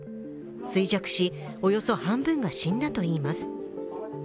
衰弱し、およそ半分が死んだといいます。